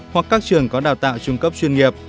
hoặc các trường có đào tạo trung cấp chuyên nghiệp